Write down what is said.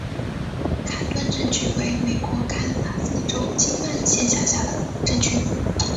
坎顿镇区为美国堪萨斯州金曼县辖下的镇区。